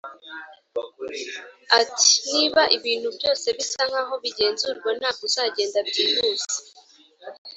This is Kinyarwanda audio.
ati: "niba ibintu byose bisa nkaho bigenzurwa, ntabwo uzagenda byihuse